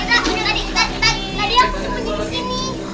tadi tadi tadi aku menginfeksi ini